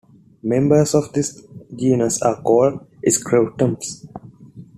Members of this genus are called screwstems.